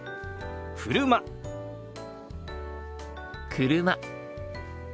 車。